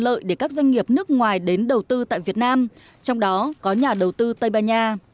lợi để các doanh nghiệp nước ngoài đến đầu tư tại việt nam trong đó có nhà đầu tư tây ban nha